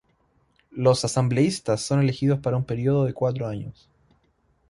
Los asambleístas son elegidos para un período de cuatro años.